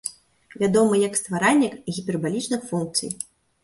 Вядомы як стваральнік гіпербалічных функцый.